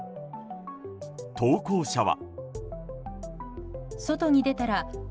投稿者は。